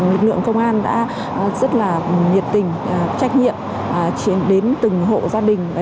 lực lượng công an đã rất là nhiệt tình trách nhiệm chuyển đến từng hộ gia đình